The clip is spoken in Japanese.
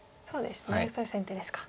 それ先手ですか。